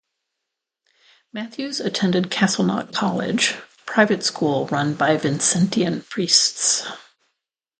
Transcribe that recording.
Mathews attended Castleknock College, a private school run by Vincentian priests.